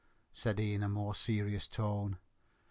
said he in a more serious tone.